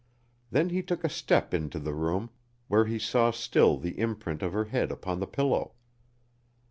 Then he took a step into the room, where he saw still the imprint of her head upon the pillow.